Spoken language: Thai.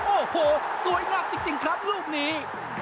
โอ้โหสวยงามจริงครับลูกนี้